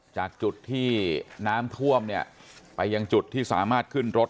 จากจุดที่น้ำท่วมเนี่ยไปยังจุดที่สามารถขึ้นรถ